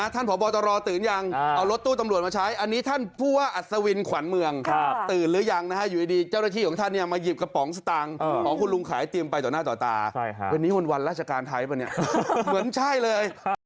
ต่อหน้าต่อตาวันนี้วันวันราชการไทยปะเนี่ยเหมือนใช่เลย